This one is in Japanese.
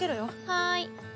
はい。